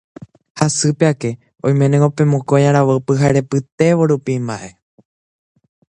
hasýpe ake oiménengo pe mokõi aravo pyharepytévo rupi mba'e.